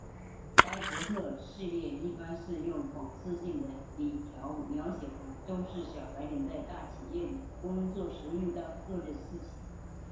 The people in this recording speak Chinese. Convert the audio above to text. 呆伯特系列一般是用讽刺性的笔调描写了都市小白领在大企业里工作时遇到的各类事情。